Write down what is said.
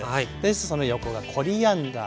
その横がコリアンダー。